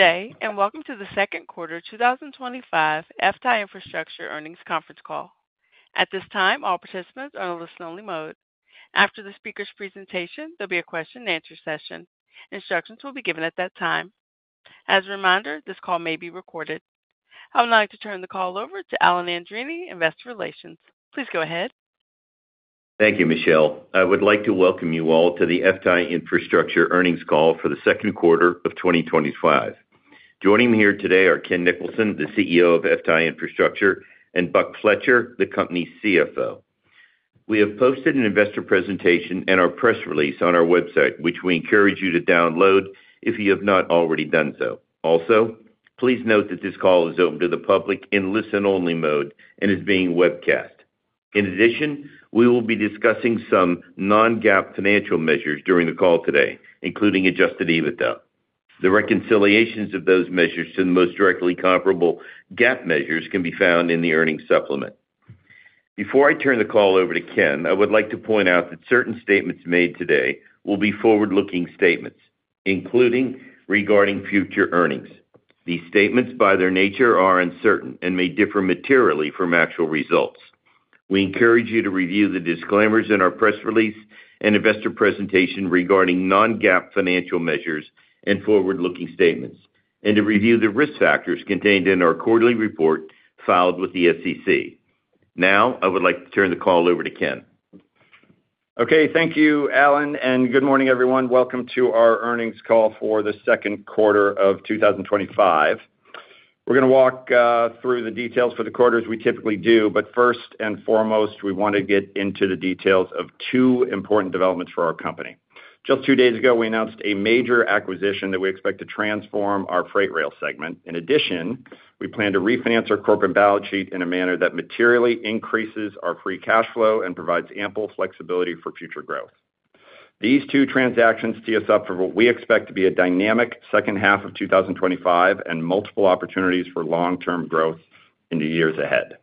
Today, and welcome to the Second Quarter 2025 FTAI Infrastructure Earnings Conference Call. At this time, all participants are in a listen-only mode. After the speaker's presentation, there'll be a question-and-answer session. Instructions will be given at that time. As a reminder, this call may be recorded. I would like to turn the call over to Alan Andreini, Investor Relations. Please go ahead. Thank you, Michelle. I would like to welcome you all to the FTAI Infrastructure Earnings Call for the Second Quarter of 2025. Joining me here today are Ken Nicholson, the CEO of FTAI Infrastructure, and Buck Fletcher, the company's CFO. We have posted an investor presentation and our press release on our website, which we encourage you to download if you have not already done so. Also, please note that this call is open to the public in listen-only mode and is being webcast. In addition, we will be discussing some non-GAAP financial measures during the call today, including adjusted EBITDA. The reconciliations of those measures to the most directly comparable GAAP measures can be found in the earnings supplement. Before I turn the call over to Ken, I would like to point out that certain statements made today will be forward-looking statements, including regarding future earnings. These statements, by their nature, are uncertain and may differ materially from actual results. We encourage you to review the disclaimers in our press release and investor presentation regarding non-GAAP financial measures and forward-looking statements, and to review the risk factors contained in our quarterly report filed with the SEC. Now, I would like to turn the call over to Ken. Okay, thank you, Alan, and good morning, everyone. Welcome to our earnings call for the second quarter of 2025. We're going to walk through the details for the quarter as we typically do, but first and foremost, we want to get into the details of two important developments for our company. Just two days ago, we announced a major acquisition that we expect to transform our freight rail segment. In addition, we plan to refinance our corporate balance sheet in a manner that materially increases our free cash flow and provides ample flexibility for future growth. These two transactions tee us up for what we expect to be a dynamic second half of 2025 and multiple opportunities for long-term growth in the years ahead.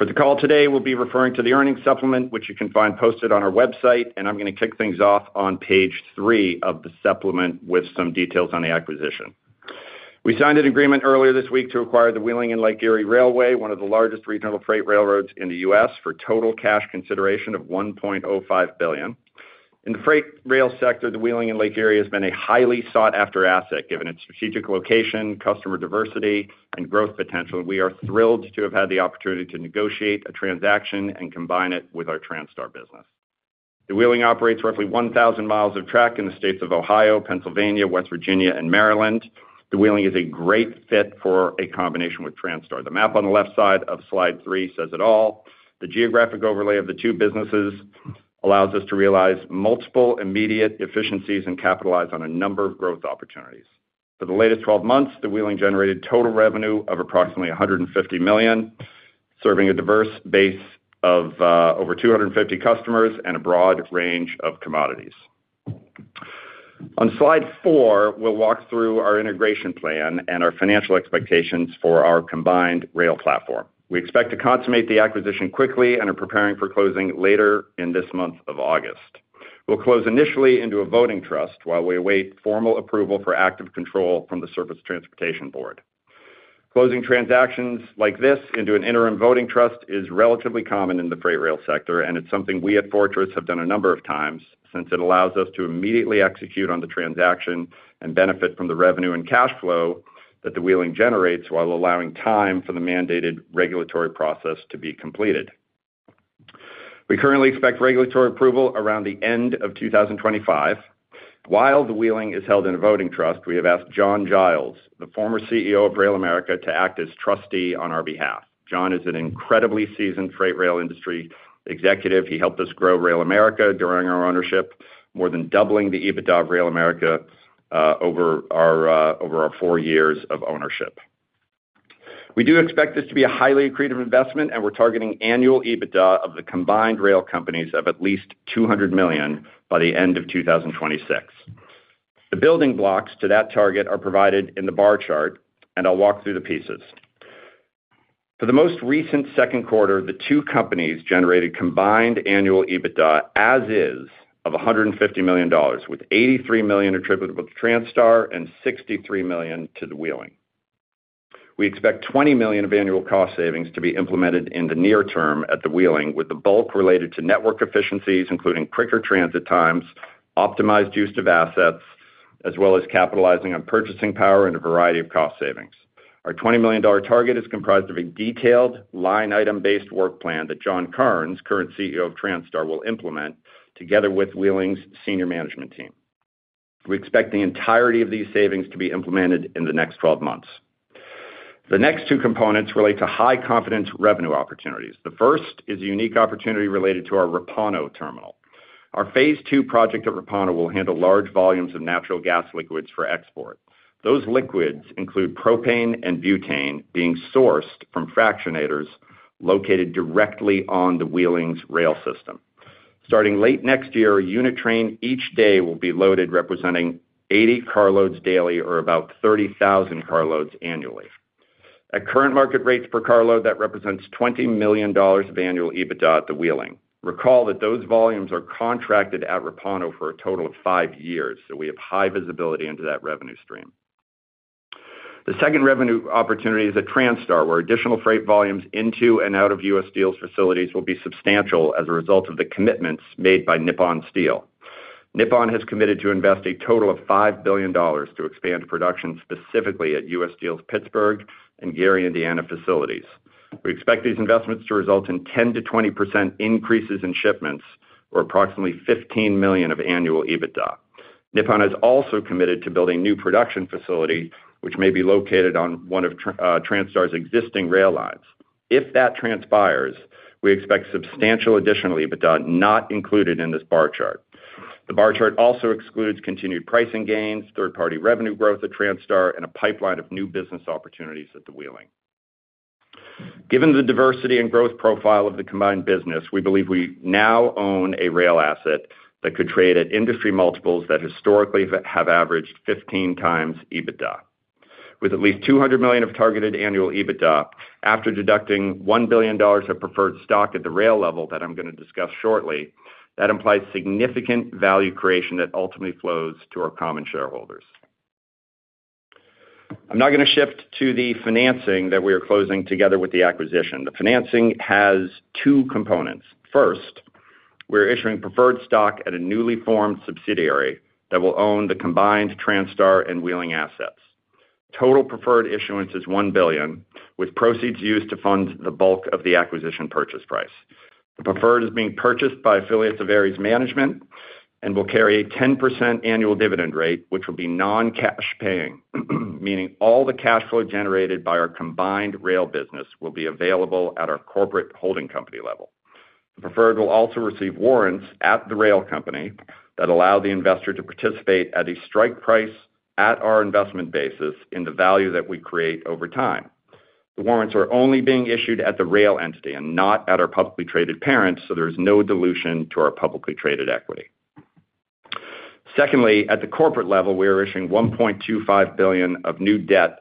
For the call today, we'll be referring to the earnings supplement, which you can find posted on our website, and I'm going to kick things off on page three of the supplement with some details on the acquisition. We signed an agreement earlier this week to acquire the Wheeling & Lake Erie Railway, one of the largest regional freight railroads in the U.S., for total cash consideration of $1.05 billion. In the freight rail sector, the Wheeling & Lake Erie has been a highly sought-after asset given its strategic location, customer diversity, and growth potential. We are thrilled to have had the opportunity to negotiate a transaction and combine it with our Transtar business. The Wheeling operates roughly 1,000 mi of track in the states of Ohio, Pennsylvania, West Virginia, and Maryland. The Wheeling is a great fit for a combination with Transtar. The map on the left side of slide three says it all. The geographic overlay of the two businesses allows us to realize multiple immediate efficiencies and capitalize on a number of growth opportunities. For the latest 12 months, the Wheeling generated total revenue of approximately $150 million, serving a diverse base of over 250 customers and a broad range of commodities. On slide four, we'll walk through our integration plan and our financial expectations for our combined rail platform. We expect to consummate the acquisition quickly and are preparing for closing later in this month of August. We'll close initially into a voting trust while we await formal approval for active control from the Surface Transportation Board. Closing transactions like this into an interim voting trust is relatively common in the freight rail sector, and it's something we at Fortress have done a number of times since it allows us to immediately execute on the transaction and benefit from the revenue and cash flow that the Wheeling generates while allowing time for the mandated regulatory process to be completed. We currently expect regulatory approval around the end of 2025. While the Wheeling is held in a voting trust, we have asked John Giles, the former CEO of RailAmerica, to act as trustee on our behalf. John is an incredibly seasoned freight rail industry executive. He helped us grow RailAmerica during our ownership, more than doubling the EBITDA of RailAmerica over our four years of ownership. We do expect this to be a highly accretive investment, and we're targeting annual EBITDA of the combined rail companies of at least $200 million by the end of 2026. The building blocks to that target are provided in the bar chart, and I'll walk through the pieces. For the most recent second quarter, the two companies generated combined annual EBITDA as is of $150 million, with $83 million attributable to Transtar and $63 million to the Wheeling. We expect $20 million of annual cost savings to be implemented in the near term at the Wheeling, with the bulk related to network efficiencies, including quicker transit times, optimized use of assets, as well as capitalizing on purchasing power and a variety of cost savings. Our $20 million target is comprised of a detailed line-item-based work plan that Jon Carnes, current CEO of Transtar, will implement together with Wheeling's Senior Management Team. We expect the entirety of these savings to be implemented in the next 12 months. The next two components relate to high-confidence revenue opportunities. The first is a unique opportunity related to our Repauno terminal. Our phase II project at Repauno will handle large volumes of natural gas liquids for export. Those liquids include propane and butane being sourced from fractionators located directly on the Wheeling's rail system. Starting late next year, a unit train each day will be loaded, representing 80 carloads daily or about 30,000 carloads annually. At current market rates per carload, that represents $20 million of annual EBITDA at the Wheeling. Recall that those volumes are contracted at Repauno for a total of five years, so we have high visibility into that revenue stream. The second revenue opportunity is at Transtar, where additional freight volumes into and out of U.S. Steel's facilities will be substantial as a result of the commitments made by Nippon Steel. Nippon has committed to invest a total of $5 billion to expand production specifically at U.S. Steel's Pittsburgh and Gary, Indiana facilities. We expect these investments to result in 10%-20% increases in shipments or approximately $15 million of annual EBITDA. Nippon has also committed to building a new production facility, which may be located on one of Transtar's existing rail lines. If that transpires, we expect substantial additional EBITDA not included in this bar chart. The bar chart also excludes continued pricing gains, third-party revenue growth at Transtar, and a pipeline of new business opportunities at the Wheeling. Given the diversity and growth profile of the combined business, we believe we now own a rail asset that could trade at industry multiples that historically have averaged 15x EBITDA. With at least $200 million of targeted annual EBITDA after deducting $1 billion of preferred stock at the rail level that I'm going to discuss shortly, that implies significant value creation that ultimately flows to our common shareholders. I'm now going to shift to the financing that we are closing together with the acquisition. The financing has two components. First, we're issuing preferred stock at a newly formed subsidiary that will own the combined Transtar and Wheeling assets. Total preferred issuance is $1 billion, with proceeds used to fund the bulk of the acquisition purchase price. The preferred is being purchased by affiliates of Ares Management and will carry a 10% annual dividend rate, which will be non-cash paying, meaning all the cash flow generated by our combined rail business will be available at our corporate holding company level. The preferred will also receive warrants at the rail company that allow the investor to participate at a strike price at our investment basis in the value that we create over time. The warrants are only being issued at the rail entity and not at our publicly traded parent, so there is no dilution to our publicly traded equity. Secondly, at the corporate level, we are issuing $1.25 billion of new debt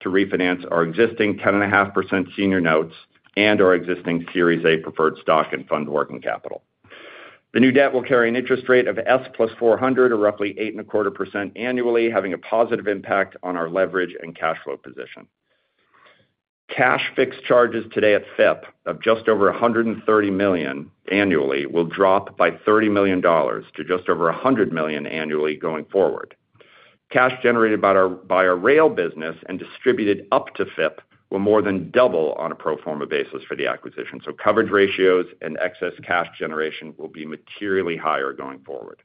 to refinance our existing 10.5% senior notes and our existing Series A preferred stock and fund working capital. The new debt will carry an interest rate of S plus 400, or roughly 8.25% annually, having a positive impact on our leverage and cash flow position. Cash fixed charges today at FIP of just over $130 million annually will drop by $30 million to just over $100 million annually going forward. Cash generated by our rail business and distributed up to FIP will more than double on a pro forma basis for the acquisition, so coverage ratios and excess cash generation will be materially higher going forward.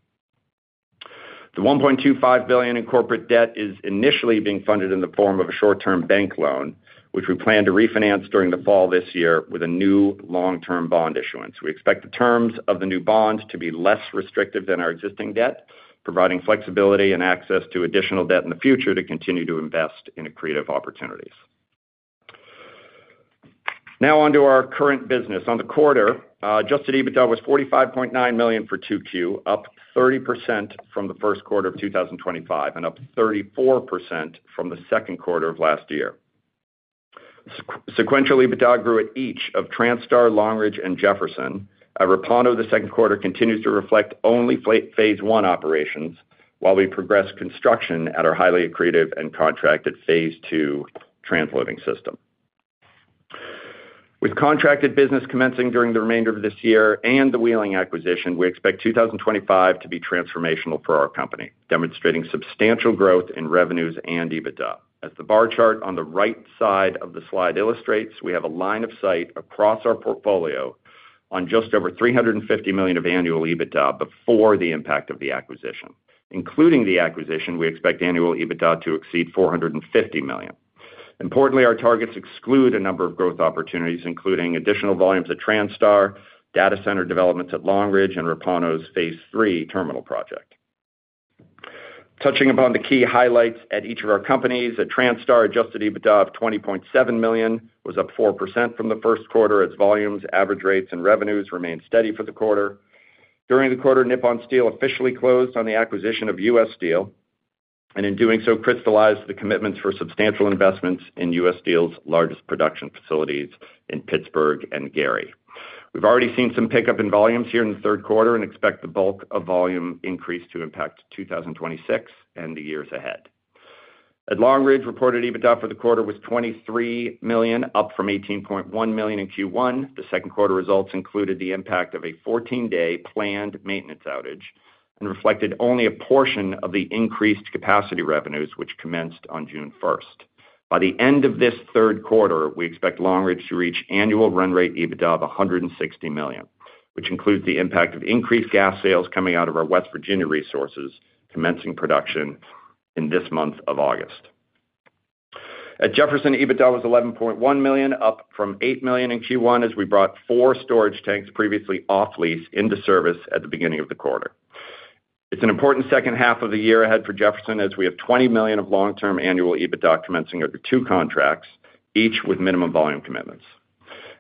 The $1.25 billion in corporate debt is initially being funded in the form of a short-term bank loan, which we plan to refinance during the fall this year with a new long-term bond issuance. We expect the terms of the new bonds to be less restrictive than our existing debt, providing flexibility and access to additional debt in the future to continue to invest in accretive opportunities. Now on to our current business. On the quarter, adjusted EBITDA was $45.9 million for 2Q, up 30% from the first quarter of 2025 and up 34% from the second quarter of last year. Sequential EBITDA grew at each of Transtar, Long Ridge, and Jefferson. At Repauno, the second quarter continues to reflect only phase one operations while we progress construction at our highly accretive and contracted phase II transloading system. With contracted business commencing during the remainder of this year and the Wheeling acquisition, we expect 2025 to be transformational for our company, demonstrating substantial growth in revenues and EBITDA. As the bar chart on the right side of the slide illustrates, we have a line of sight across our portfolio on just over $350 million of annual EBITDA before the impact of the acquisition. Including the acquisition, we expect annual EBITDA to exceed $450 million. Importantly, our targets exclude a number of growth opportunities, including additional volumes at Transtar, data center developments at Long Ridge, and Repauno's phase III terminal project. Touching upon the key highlights at each of our companies, at Transtar, adjusted EBITDA of $20.7 million was up 4% from the first quarter. Its volumes, average rates, and revenues remained steady for the quarter. During the quarter, Nippon Steel officially closed on the acquisition of U.S. Steel and in doing so crystallized the commitments for substantial investments in U.S. Steel's largest production facilities in Pittsburgh and Gary, Indiana. We've already seen some pickup in volumes here in the third quarter and expect the bulk of volume increase to impact 2026 and the years ahead. At Long Ridge, reported EBITDA for the quarter was $23 million, up from $18.1 million in Q1. The second quarter results included the impact of a 14-day planned maintenance outage and reflected only a portion of the increased capacity revenues, which commenced on June 1st. By the end of this third quarter, we expect Long Ridge to reach annual run rate EBITDA of $160 million, which includes the impact of increased gas sales coming out of our West Virginia resources commencing production in this month of August. At Jefferson, EBITDA was $11.1 million, up from $8 million in Q1, as we brought four storage tanks previously off-lease into service at the beginning of the quarter. It's an important second half of the year ahead for Jefferson, as we have $20 million of long-term annual EBITDA commencing under two contracts, each with minimum volume commitments.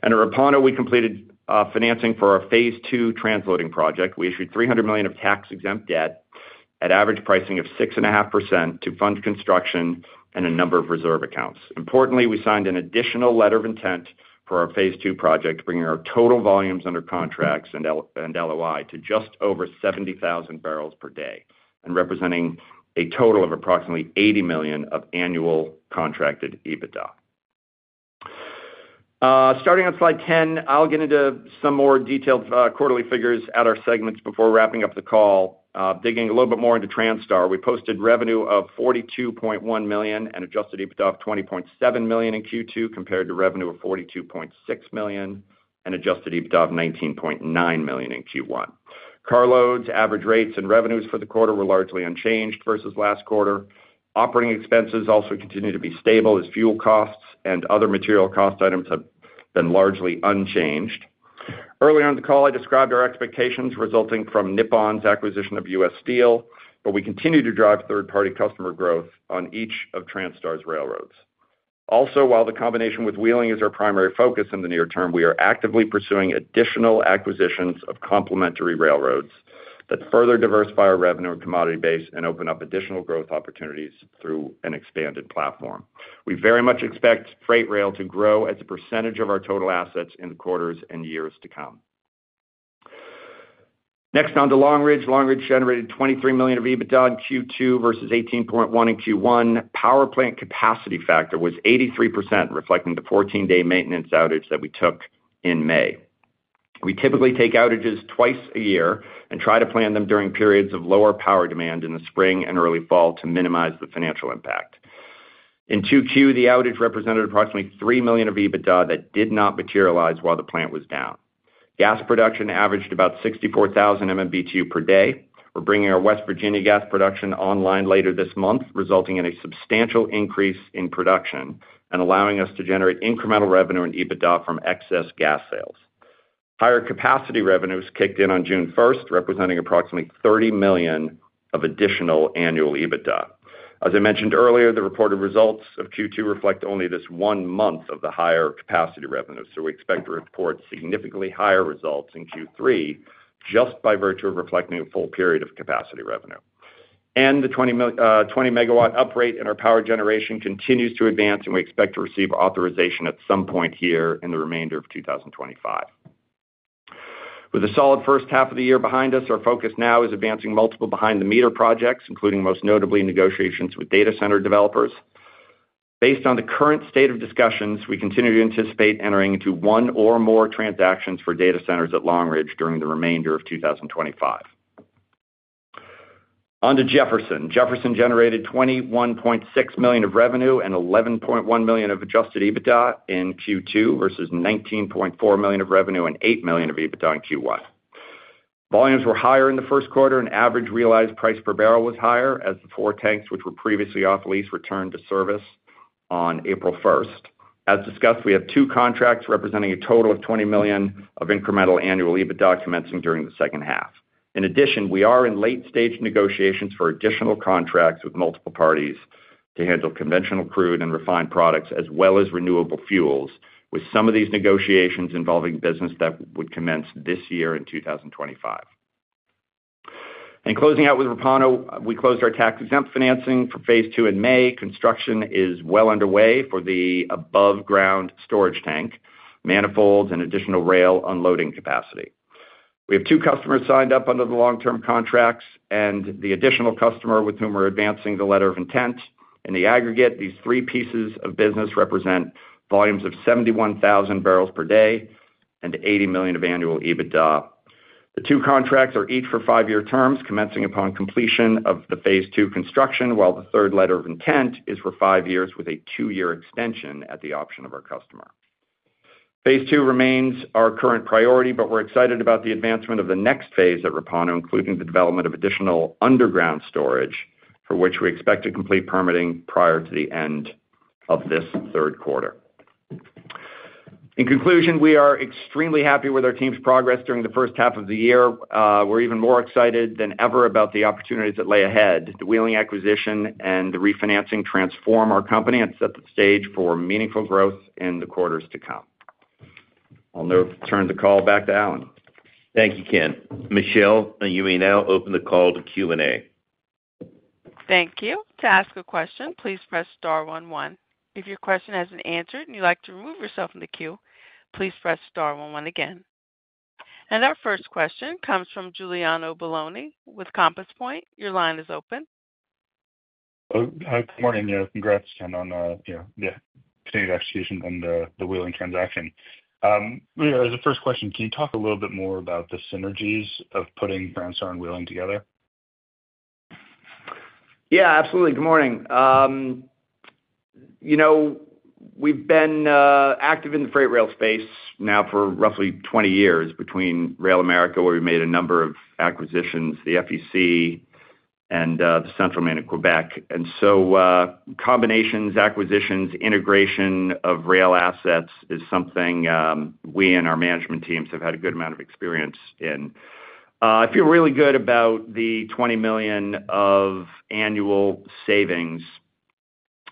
At Repauno, we completed financing for our phase II transloading project. We issued $300 million of tax-exempt debt at average pricing of 6.5% to fund construction and a number of reserve accounts. Importantly, we signed an additional letter of intent for our phase II project, bringing our total volumes under contracts and LOI to just over 70,000 bbl per day and representing a total of approximately $80 million of annual contracted EBITDA. Starting on slide 10, I'll get into some more detailed quarterly figures at our segments before wrapping up the call. Digging a little bit more into Transtar, we posted revenue of $42.1 million and adjusted EBITDA of $20.7 million in Q2 compared to revenue of $42.6 million and adjusted EBITDA of $19.9 million in Q1. Carloads, average rates, and revenues for the quarter were largely unchanged versus last quarter. Operating expenses also continue to be stable, as fuel costs and other material cost items have been largely unchanged. Earlier on the call, I described our expectations resulting from Nippon's acquisition of U.S. Steel, but we continue to drive third-party customer growth on each of Transtar's railroads. While the combination with Wheeling is our primary focus in the near term, we are actively pursuing additional acquisitions of complementary railroads that further diversify our revenue and commodity base and open up additional growth opportunities through an expanded platform. We very much expect freight rail to grow as a percentage of our total assets in the quarters and years to come. Next, on to Long Ridge. Long Ridge generated $23 million of EBITDA in Q2 versus $18.1 million in Q1. Power plant capacity factor was 83%, reflecting the 14-day maintenance outage that we took in May. We typically take outages twice a year and try to plan them during periods of lower power demand in the spring and early fall to minimize the financial impact. In Q2, the outage represented approximately $3 million of EBITDA that did not materialize while the plant was down. Gas production averaged about 64,000 MMBtu per day. We're bringing our West Virginia gas production online later this month, resulting in a substantial increase in production and allowing us to generate incremental revenue in EBITDA from excess gas sales. Higher capacity revenues kicked in on June 1st, representing approximately $30 million of additional annual EBITDA. As I mentioned earlier, the reported results of Q2 reflect only this one month of the higher capacity revenues. We expect to report significantly higher results in Q3 just by virtue of reflecting a full period of capacity revenue. The 20-MW uprate in our power generation continues to advance, and we expect to receive authorization at some point here in the remainder of 2025. With a solid first half of the year behind us, our focus now is advancing multiple behind-the-meter projects, including most notably negotiations with data center developers. Based on the current state of discussions, we continue to anticipate entering into one or more transactions for data centers at Long Ridge during the remainder of 2025. On to Jefferson. Jefferson generated $21.6 million of revenue and $11.1 million of adjusted EBITDA in Q2 versus $19.4 million of revenue and $8 million of EBITDA in Q1. Volumes were higher in the first quarter, and average realized price per barrel was higher as the four tanks, which were previously off-lease, returned to service on April 1st. As discussed, we have two contracts representing a total of $20 million of incremental annual EBITDA commencing during the second half. In addition, we are in late-stage negotiations for additional contracts with multiple parties to handle conventional crude and refined products, as well as renewable fuels, with some of these negotiations involving business that would commence this year in 2025. Closing out with Repauno, we closed our tax-exempt financing for phase II in May. Construction is well underway for the above-ground storage tank, manifolds, and additional rail unloading capacity. We have two customers signed up under the long-term contracts and an additional customer with whom we're advancing the letter of intent. In the aggregate, these three pieces of business represent volumes of 71,000 bbl per day and $80 million of annual EBITDA. The two contracts are each for five-year terms commencing upon completion of the phase II construction, while the third letter of intent is for five years with a two-year extension at the option of our customer. Phase II remains our current priority, but we're excited about the advancement of the next phase at Repauno, including the development of additional underground storage for which we expect to complete permitting prior to the end of this third quarter. In conclusion, we are extremely happy with our team's progress during the first half of the year. We're even more excited than ever about the opportunities that lie ahead. The Wheeling acquisition and the refinancing transform our company and set the stage for meaningful growth in the quarters to come. I'll now turn the call back to Alan. Thank you, Ken. Michelle, you may now open the call to Q&A. Thank you. To ask a question, please press star one, one. If your question has been answered and you'd like to remove yourself from the queue, please press star one, one again. Our first question comes from Giuliano Bologna with Compass Point. Your line is open. Good morning. Congrats, Ken, on the continued execution and the Wheeling transaction. As a first question, can you talk a little bit more about the synergies of putting Transtar and Wheeling together? Yeah, absolutely. Good morning. You know, we've been active in the freight rail space now for roughly 20 years between RailAmerica, where we made a number of acquisitions, the FEC, and the Central Main of Quebec. Combinations, acquisitions, integration of rail assets is something we and our management teams have had a good amount of experience in. I feel really good about the $20 million of annual savings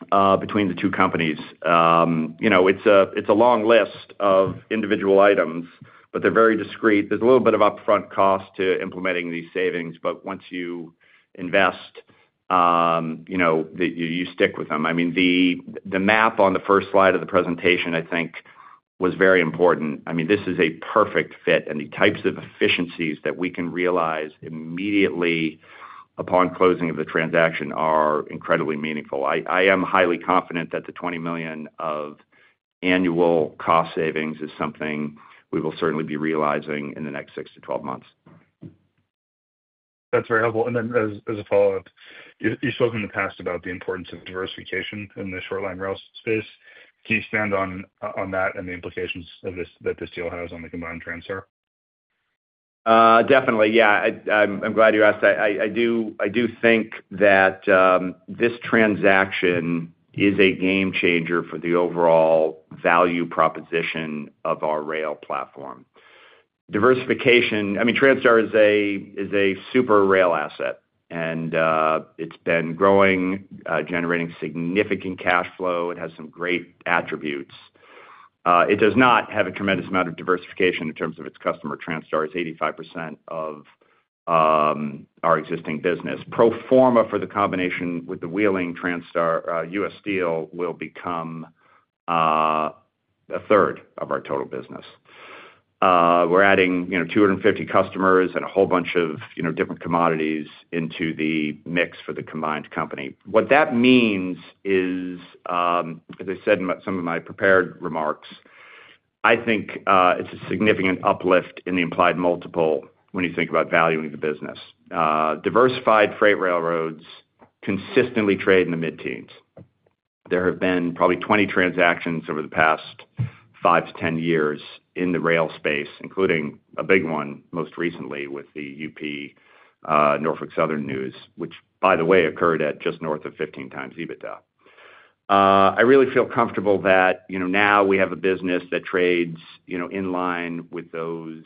between the two companies. It's a long list of individual items, but they're very discreet. There's a little bit of upfront cost to implementing these savings, but once you invest, you stick with them. The map on the first slide of the presentation, I think, was very important. This is a perfect fit, and the types of efficiencies that we can realize immediately upon closing of the transaction are incredibly meaningful. I am highly confident that the $20 million of annual cost savings is something we will certainly be realizing in the next six months to 12 months. That's very helpful. As a follow-up, you spoke in the past about the importance of diversification in the shoreline rail space. Can you expand on that and the implications that this deal has on the combined Transtar? Definitely. Yeah, I'm glad you asked that. I do think that this transaction is a game changer for the overall value proposition of our rail platform. Diversification, I mean, Transtar is a super rail asset, and it's been growing, generating significant cash flow. It has some great attributes. It does not have a tremendous amount of diversification in terms of its customer. Transtar is 85% of our existing business. Pro forma for the combination with the Wheeling, Transtar, U.S. Steel will become a third of our total business. We're adding, you know, 250 customers and a whole bunch of, you know, different commodities into the mix for the combined company. What that means is, as I said in some of my prepared remarks, I think it's a significant uplift in the implied multiple when you think about valuing the business. Diversified freight railroads consistently trade in the mid-teens. There have been probably 20 transactions over the past five years to 10 years in the rail space, including a big one most recently with the UP Norfolk Southern News, which, by the way, occurred at just north of 15x EBITDA. I really feel comfortable that, you know, now we have a business that trades, you know, in line with those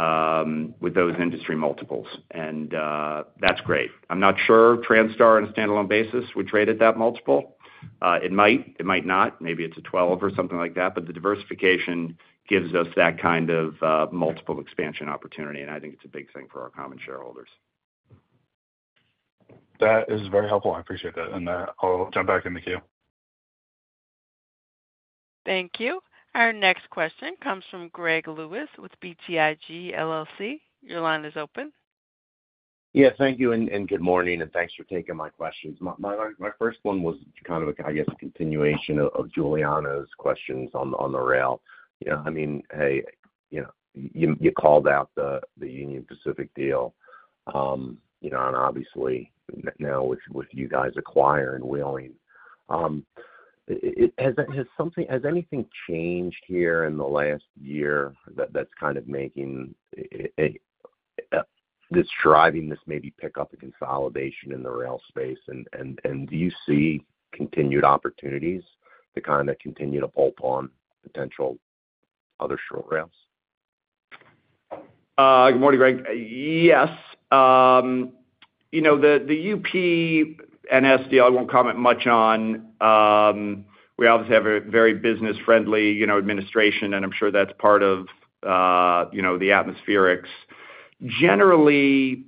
industry multiples, and that's great. I'm not sure Transtar on a standalone basis would trade at that multiple. It might, it might not. Maybe it's a 12 or something like that, but the diversification gives us that kind of multiple expansion opportunity, and I think it's a big thing for our common shareholders. That is very helpful. I appreciate that. I'll jump back in the queue. Thank you. Our next question comes from Greg Lewis with BTIG, LLC. Your line is open. Thank you, and good morning, and thanks for taking my questions. My first one was kind of, I guess, a continuation of Giuliano's questions on the rail. You called out the Union Pacific deal, and obviously now with you guys acquiring Wheeling. Has anything changed here in the last year that's kind of making this, driving this, maybe pick up a consolidation in the rail space, and do you see continued opportunities to continue to pull upon potential other short rails? Good morning, Greg. Yes. The UP and SDL, I won't comment much on. We obviously have a very business-friendly administration, and I'm sure that's part of the atmospherics. Generally,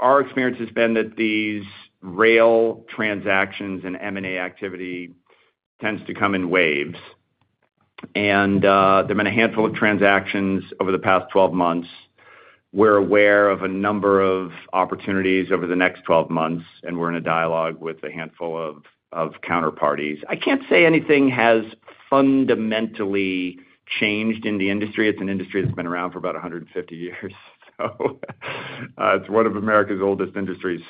our experience has been that these rail transactions and M&A activity tends to come in waves, and there have been a handful of transactions over the past 12 months. We're aware of a number of opportunities over the next 12 months, and we're in a dialogue with a handful of counterparties. I can't say anything has fundamentally changed in the industry. It's an industry that's been around for about 150 years, so it's one of America's oldest industries.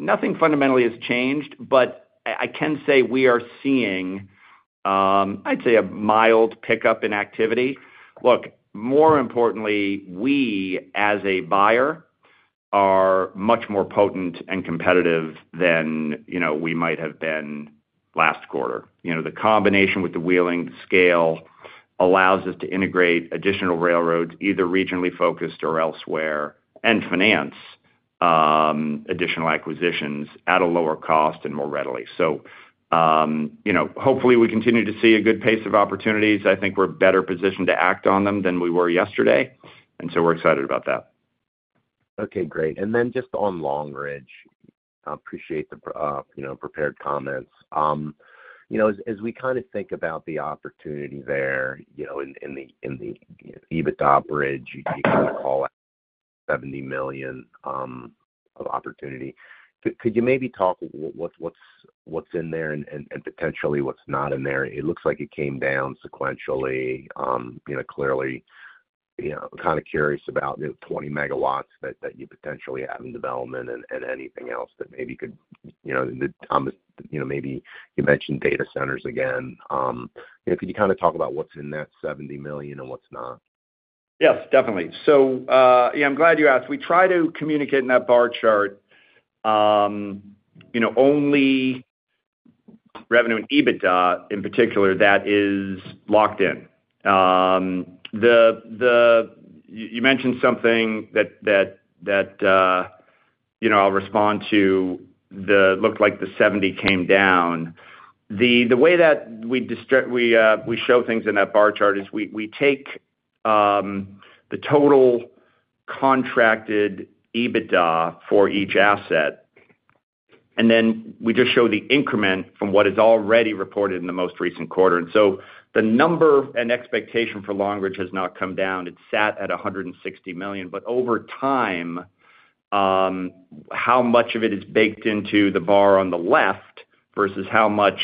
Nothing fundamentally has changed, but I can say we are seeing, I'd say, a mild pickup in activity. More importantly, we as a buyer are much more potent and competitive than we might have been last quarter. The combination with the Wheeling scale allows us to integrate additional railroads, either regionally focused or elsewhere, and finance additional acquisitions at a lower cost and more readily. Hopefully we continue to see a good pace of opportunities. I think we're better positioned to act on them than we were yesterday, and we're excited about that. Okay, great. Just on Long Ridge, I appreciate the prepared comments. As we kind of think about the opportunity there, in the EBITDA bridge, you're giving the call at $70 million of opportunity. Could you maybe talk what's in there and potentially what's not in there? It looks like it came down sequentially. Clearly, I'm kind of curious about the 20 MW that you potentially have in development and anything else that maybe could, maybe you mentioned data centers again. Could you kind of talk about what's in that $70 million and what's not? Yes, definitely. I'm glad you asked. We try to communicate in that bar chart only revenue and EBITDA in particular that is locked in. You mentioned something that I'll respond to. It looked like the $70 million came down. The way that we show things in that bar chart is we take the total contracted EBITDA for each asset, and then we just show the increment from what is already reported in the most recent quarter. The number and expectation for Long Ridge has not come down. It sat at $160 million, but over time, how much of it is baked into the bar on the left versus how much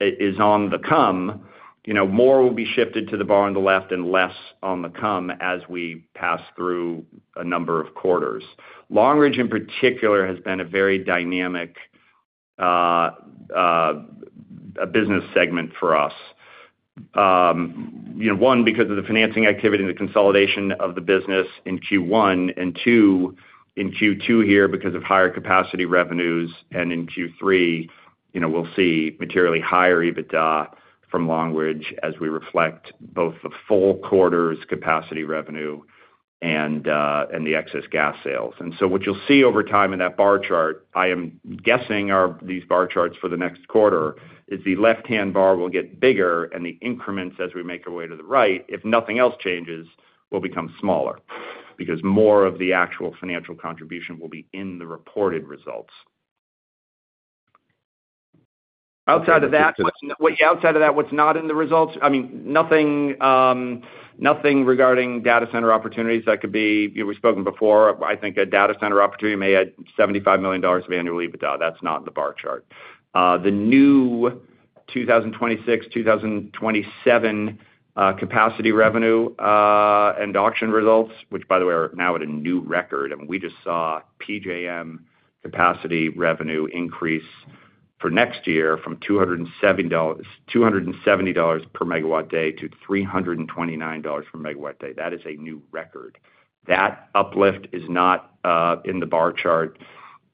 is on the come, more will be shifted to the bar on the left and less on the come as we pass through a number of quarters. Long Ridge, in particular, has been a very dynamic business segment for us, one, because of the financing activity and the consolidation of the business in Q1, and Q2, in Q2 here because of higher capacity revenues. In Q3, we'll see materially higher EBITDA from Long Ridge as we reflect both the full quarter's capacity revenue and the excess gas sales. What you'll see over time in that bar chart, I am guessing these bar charts for the next quarter, is the left-hand bar will get bigger, and the increments as we make our way to the right, if nothing else changes, will become smaller because more of the actual financial contribution will be in the reported results. Outside of that, what's not in the results? Nothing regarding data center opportunities that could be, we've spoken before, I think a data center opportunity may add $75 million of annual EBITDA. That's not in the bar chart. The new 2026-2027 capacity revenue and auction results, which by the way are now at a new record, and we just saw PJM capacity revenue increase for next year from $270 per MW day to $329 per MW day. That is a new record. That uplift is not in the bar chart.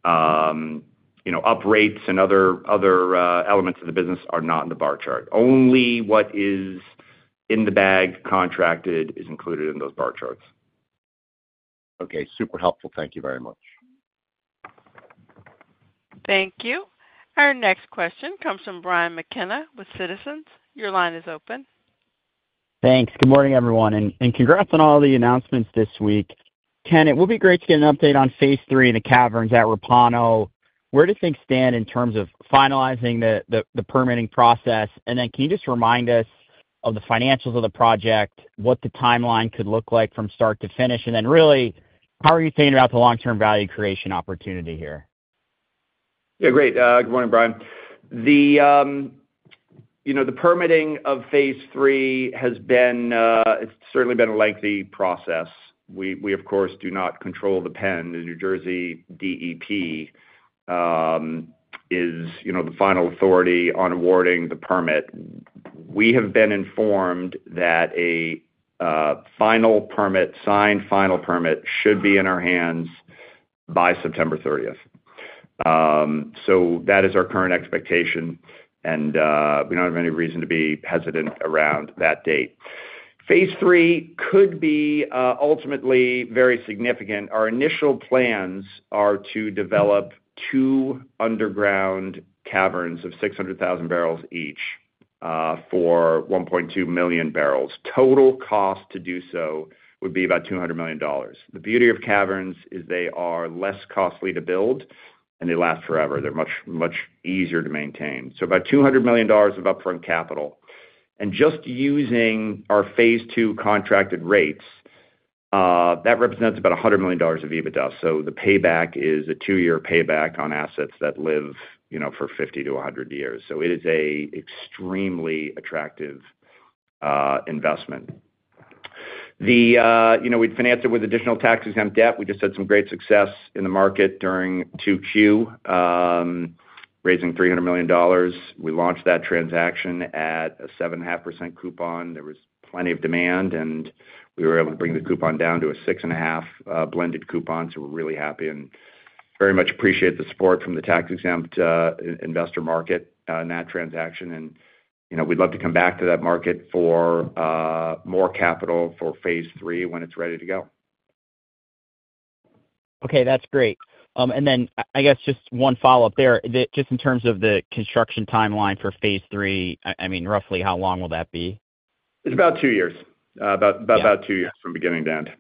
Uprates and other elements of the business are not in the bar chart. Only what is in the bag contracted is included in those bar charts. Okay, super helpful. Thank you very much. Thank you. Our next question comes from Brian McKenna with Citizens. Your line is open. Thanks. Good morning, everyone, and congrats on all the announcements this week. Ken, it would be great to get an update on phase III of the caverns at Repauno. Where do things stand in terms of finalizing the permitting process? Can you just remind us of the financials of the project, what the timeline could look like from start to finish? Really, how are you thinking about the long-term value creation opportunity here? Yeah, great. Good morning, Brian. The permitting of phase III has been, it's certainly been a lengthy process. We, of course, do not control the pen. The New Jersey DEP is the final authority on awarding the permit. We have been informed that a final permit, signed final permit, should be in our hands by September 30th. That is our current expectation, and we don't have any reason to be hesitant around that date. Phase III could be ultimately very significant. Our initial plans are to develop two underground caverns of 600,000 bbl each for 1.2 million bbl. Total cost to do so would be about $200 million. The beauty of caverns is they are less costly to build, and they last forever. They're much, much easier to maintain. About $200 million of upfront capital, and just using our phase II contracted rates, that represents about $100 million of EBITDA. The payback is a two-year payback on assets that live for 50 years-100 years. It is an extremely attractive investment. We'd finance it with additional tax-exempt debt. We just had some great success in the market during 2Q, raising $300 million. We launched that transaction at a 7.5% coupon. There was plenty of demand, and we were able to bring the coupon down to a 6.5% blended coupon. We're really happy and very much appreciate the support from the tax-exempt investor market in that transaction. We'd love to come back to that market for more capital for phase III when it's ready to go. Okay, that's great. I guess just one follow-up there. Just in terms of the construction timeline for phase III, I mean, roughly how long will that be? It's about two years, about two years from beginning to end.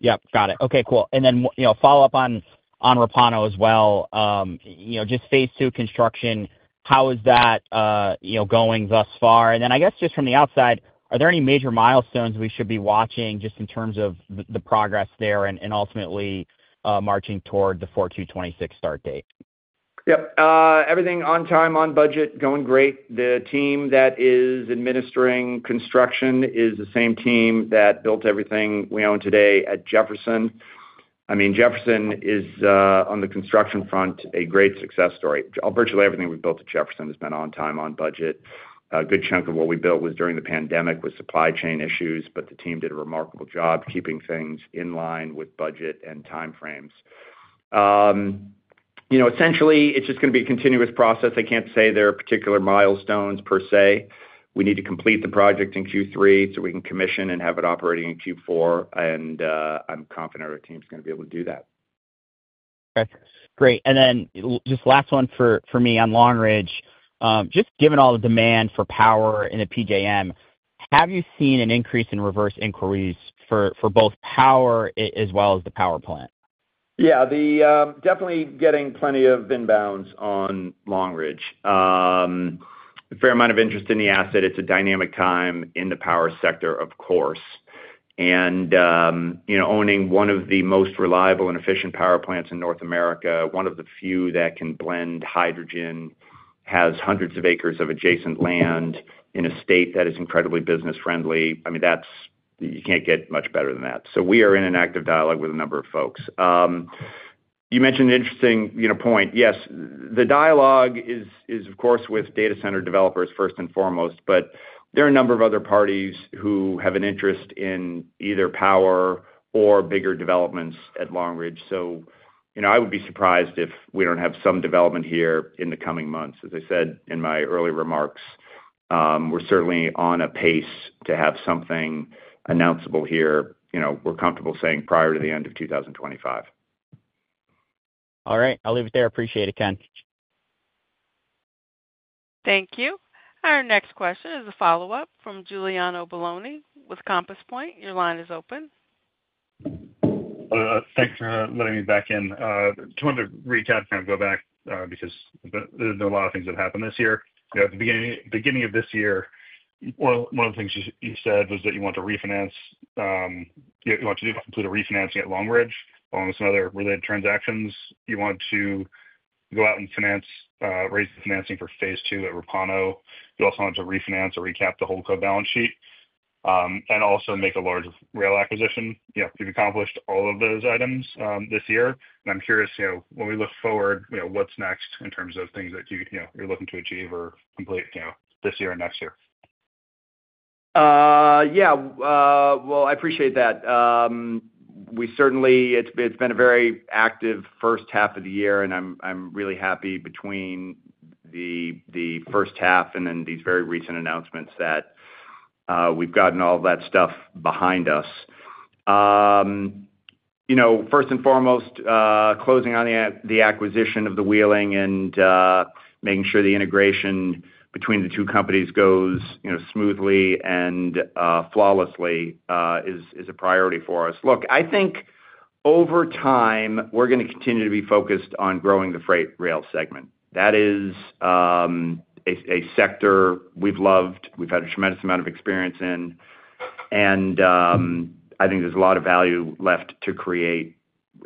Yep, got it. Okay, cool. Follow-up on Repauno as well. Just phase II construction, how is that going thus far? I guess just from the outside, are there any major mitones we should be watching just in terms of the progress there and ultimately marching toward the 4/2/2026 start date? Yep. Everything on time, on budget, going great. The team that is administering construction is the same team that built everything we own today at Jefferson. Jefferson is on the construction front a great success story. Virtually everything we've built at Jefferson has been on time, on budget. A good chunk of what we built was during the pandemic with supply chain issues, but the team did a remarkable job keeping things in line with budget and timeframes. Essentially, it's just going to be a continuous process. I can't say there are particular mitones per se. We need to complete the project in Q3 so we can commission and have it operating in Q4, and I'm confident our team's going to be able to do that. Okay, great. Just last one for me on Long Ridge. Just given all the demand for power in the PJM, have you seen an increase in reverse inquiries for both power as well as the power plant? Yeah, definitely getting plenty of inbounds on Long Ridge. A fair amount of interest in the asset. It's a dynamic time in the power sector, of course. You know, owning one of the most reliable and efficient power plants in North America, one of the few that can blend hydrogen, has hundreds of acres of adjacent land in a state that is incredibly business-friendly. I mean, that's, you can't get much better than that. We are in an active dialogue with a number of folks. You mentioned an interesting point. Yes, the dialogue is, of course, with data center developers first and foremost, but there are a number of other parties who have an interest in either power or bigger developments at Long Ridge. I would be surprised if we don't have some development here in the coming months. As I said in my earlier remarks, we're certainly on a pace to have something announceable here. We're comfortable saying prior to the end of 2025. All right, I'll leave it there. Appreciate it, Ken. Thank you. Our next question is a follow-up from Giuliano Bologna with Compass Point. Your line is open. Thanks for letting me back in. I just wanted to reach out and kind of go back because there's been a lot of things that have happened this year. At the beginning of this year, one of the things you said was that you wanted to refinance, you wanted to complete a refinancing at Long Ridge. Along with some other related transactions, you wanted to go out and finance, raise the financing for phase II at Repauno. You also wanted to refinance or recap the whole co-balance sheet and also make a large rail acquisition. You've accomplished all of those items this year. I'm curious, when we look forward, what's next in terms of things that you're looking to achieve or complete this year or next year? I appreciate that. It's been a very active first half of the year, and I'm really happy between the first half and then these very recent announcements that we've gotten all of that stuff behind us. First and foremost, closing on the acquisition of the Wheeling and making sure the integration between the two companies goes smoothly and flawlessly is a priority for us. I think over time we're going to continue to be focused on growing the freight rail segment. That is a sector we've loved, we've had a tremendous amount of experience in, and I think there's a lot of value left to create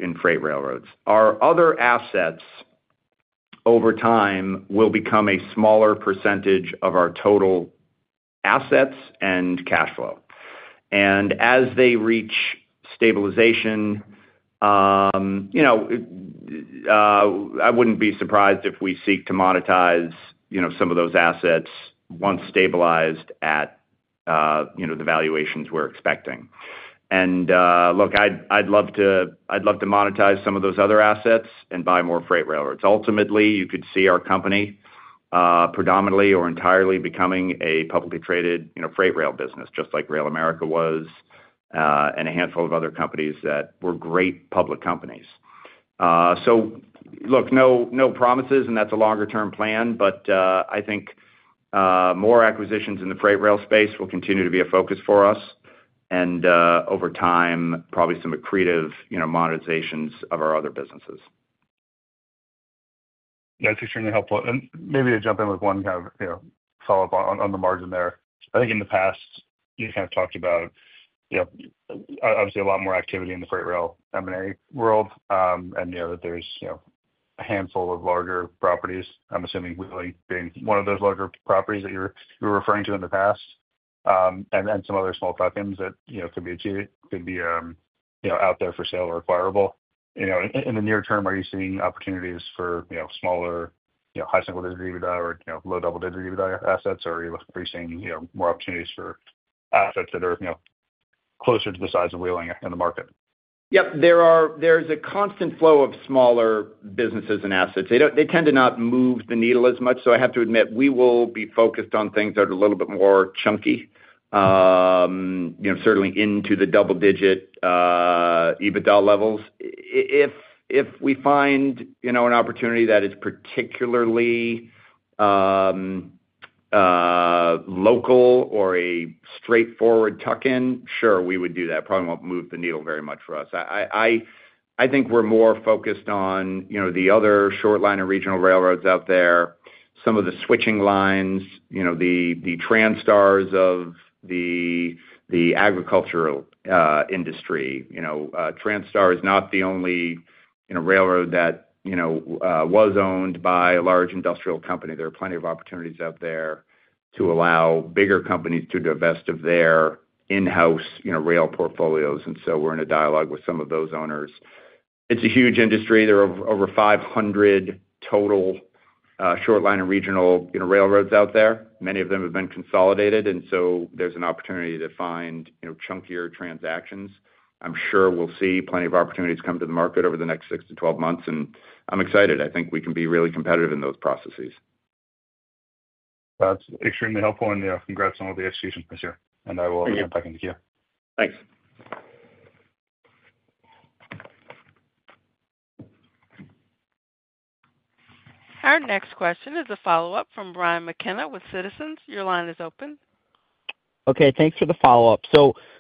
in freight railroads. Our other assets over time will become a smaller percentage of our total assets and cash flow. As they reach stabilization, I wouldn't be surprised if we seek to monetize some of those assets once stabilized at the valuations we're expecting. I'd love to monetize some of those other assets and buy more freight railroads. Ultimately, you could see our company predominantly or entirely becoming a publicly traded freight rail business, just like RailAmerica was and a handful of other companies that were great public companies. No promises, and that's a longer-term plan, but I think more acquisitions in the freight rail space will continue to be a focus for us and over time, probably some accretive monetizations of our other businesses. That's extremely helpful. Maybe to jump in with one kind of follow-up on the margin there. I think in the past, you kind of talked about obviously a lot more activity in the freight rail M&A world and that there's a handful of larger properties. I'm assuming Wheeling being one of those larger properties that you were referring to in the past and some other small tokens that could be out there for sale or acquirable. In the near term, are you seeing opportunities for smaller, high single-digit EBITDA or low double-digit EBITDA assets, or are you seeing more opportunities for assets that are closer to the size of Wheeling in the market? Yep, there are, there's a constant flow of smaller businesses and assets. They tend to not move the needle as much, so I have to admit we will be focused on things that are a little bit more chunky, you know, certainly into the double-digit EBITDA levels. If we find an opportunity that is particularly local or a straightforward token, sure, we would do that. Probably won't move the needle very much for us. I think we're more focused on the other shortline or regional railroads out there, some of the switching lines, the Transtar's of the agricultural industry. Transtar is not the only railroad that was owned by a large industrial company. There are plenty of opportunities out there to allow bigger companies to divest of their in-house rail portfolios, and we're in a dialogue with some of those owners. It's a huge industry. There are over 500 total shortline and regional railroads out there. Many of them have been consolidated, and there's an opportunity to find chunkier transactions. I'm sure we'll see plenty of opportunities come to the market over the next six months to 12 months, and I'm excited. I think we can be really competitive in those processes. That's extremely helpful, and you know, congrats on all the execution this year. I will look forward to talking with you. Thanks. Our next question is a follow-up from Brian McKenna with Citizens. Your line is open. Okay, thanks for the follow-up.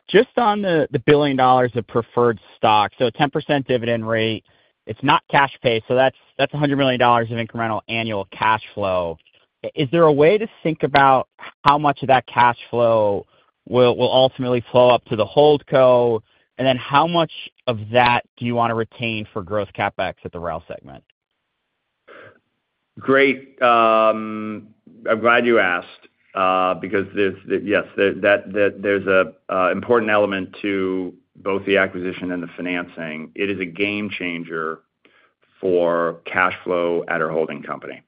Just on the $1 billion of preferred stock, a 10% dividend rate, it's not cash-based, so that's $100 million of incremental annual cash flow. Is there a way to think about how much of that cash flow will ultimately flow up to the hold co? How much of that do you want to retain for growth CapEx at the rail segment? Great. I'm glad you asked because yes, there's an important element to both the acquisition and the financing. It is a game changer for cash flow at our holding company.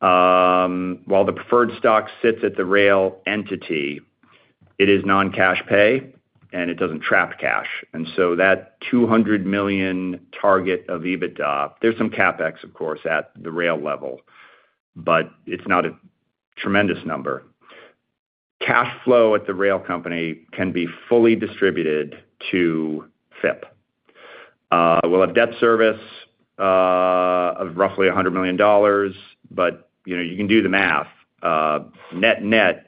While the preferred stock sits at the rail entity, it is non-cash pay, and it doesn't trap cash. That $200 million target of EBITDA, there's some CapEx, of course, at the rail level, but it's not a tremendous number. Cash flow at the rail company can be fully distributed to FIP. We'll have debt service of roughly $100 million, but you know, you can do the math. Net-net,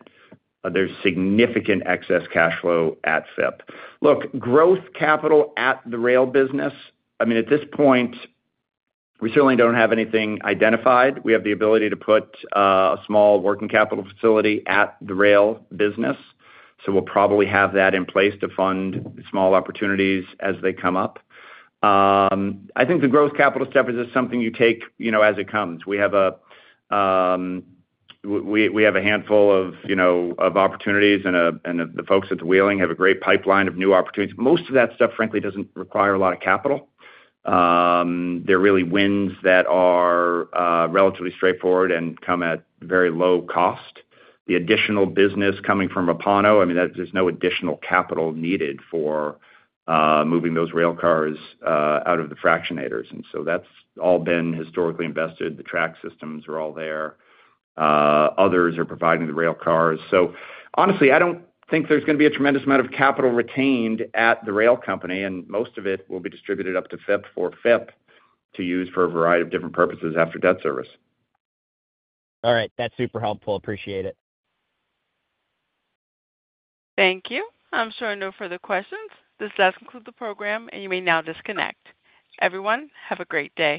there's significant excess cash flow at FIP. Look, growth capital at the rail business, at this point, we certainly don't have anything identified. We have the ability to put a small working capital facility at the rail business, so we'll probably have that in place to fund small opportunities as they come up. I think the growth capital stuff is just something you take as it comes. We have a handful of opportunities, and the folks at the Wheeling have a great pipeline of new opportunities. Most of that stuff, frankly, doesn't require a lot of capital. They're really wins that are relatively straightforward and come at very low cost. The additional business coming from Repauno, there's no additional capital needed for moving those rail cars out of the fractionators, and that's all been historically invested. The track systems are all there. Others are providing the rail cars. Honestly, I don't think there's going to be a tremendous amount of capital retained at the rail company, and most of it will be distributed up to FIP or FIP to use for a variety of different purposes after debt service. All right, that's super helpful. Appreciate it. Thank you. I'm sure no further questions. This does conclude the program, and you may now disconnect. Everyone, have a great day.